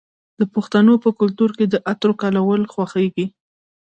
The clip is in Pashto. د پښتنو په کلتور کې د عطرو کارول خوښیږي.